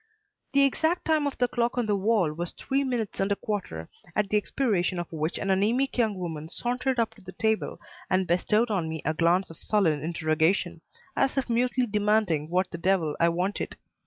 The exact time by the clock on the wall was three minutes and a quarter, at the expiration of which an anaemic young woman sauntered up to the table and bestowed on me a glance of sullen interrogation, as if mutely demanding what the devil I wanted.